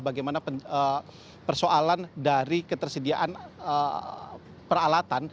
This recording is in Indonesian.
bagaimana persoalan dari ketersediaan peralatan